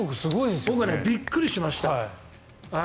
僕はびっくりしました。